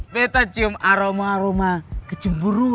masa kamu mengantuk